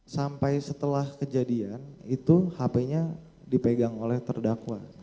sampai setelah kejadian itu hp nya dipegang oleh terdakwa